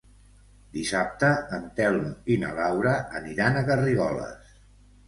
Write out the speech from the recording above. Dissabte en Telm i na Laura aniran a Garrigoles.